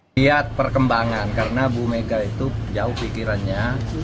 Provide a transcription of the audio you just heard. lihat perkembangan karena bu mega itu jauh pikirannya